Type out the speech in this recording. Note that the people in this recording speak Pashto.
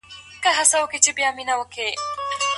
هر اړخ بايد د بل اړخ اخلاق وڅېړي.